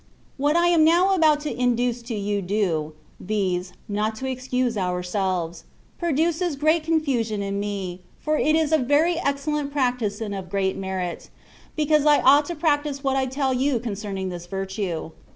What I am now about to induce you to do (\dz. — ^not to excuse ourselves) — produces great confiision in me, for it is a very excellent practice and of great merit, because I ought to practise what I tell you concerning this virtue.